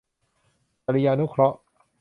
จริยานุเคราะห์